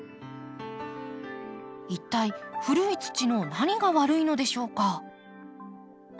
一体古い土の何が悪いのでしょうか？